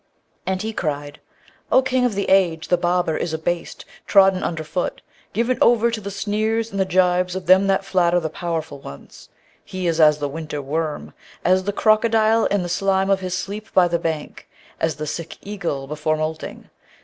And he cried, 'O King of the age, the barber is abased, trodden underfoot, given over to the sneers and the gibes of them that flatter the powerful ones; he is as the winter worm, as the crocodile in the slime of his sleep by the bank, as the sick eagle before moulting.